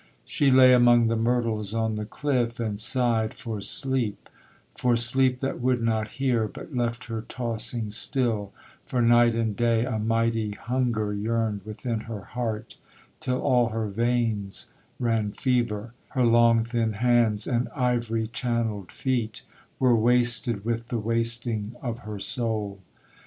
She lay among the myrtles on the cliff; And sighed for sleep, for sleep that would not hear, But left her tossing still; for night and day A mighty hunger yearned within her heart, Till all her veins ran fever; and her cheek, Her long thin hands, and ivory channelled feet, Were wasted with the wasting of her soul.